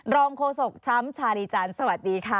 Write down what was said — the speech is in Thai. รองโคศกทรัมป์ชาริจันทร์สวัสดีค่ะ